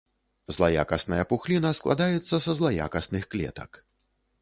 Злаякасная пухліна складаецца са злаякасных клетак.